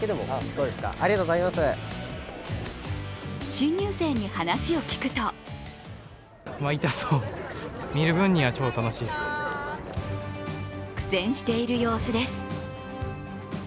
新入生に話を聞くと苦戦している様子です。